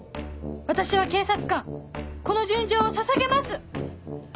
私は警察官この純情をささげます！